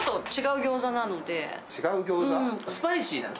違う餃子？